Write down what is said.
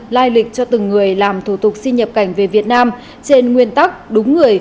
lai lịch cho từng người làm thủ tục xin nhập cảnh về việt nam trên nguyên tắc đúng người